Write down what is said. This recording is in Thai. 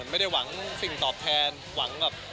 ไม่ได้หวังสิ่งตอบแทนหวังแบบ